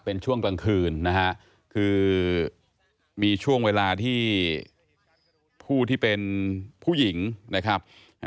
เป็นช่วงกลางคืนนะฮะคือมีช่วงเวลาที่ผู้ที่เป็นผู้หญิงนะครับ